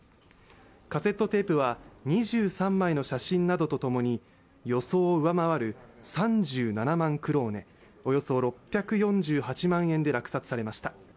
カセットテープは２３枚の写真などとともに予想を上回る３７万クローネ、およそ６４８万円で落札されました。